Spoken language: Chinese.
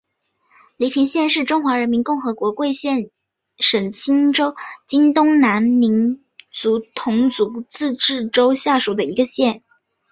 黎平县是中华人民共和国贵州省黔东南苗族侗族自治州下属的一个县。